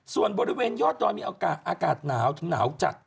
ส่วนบริเวณยอดดอยมีอากาศหนาวถึงหนาวจัด